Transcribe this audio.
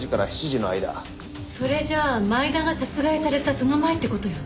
それじゃあ前田が殺害されたその前って事よね？